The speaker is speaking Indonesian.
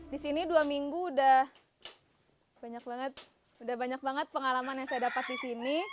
di sini dua minggu sudah banyak banget pengalaman yang saya dapat di sini